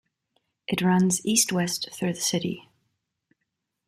It runs east-west through the city.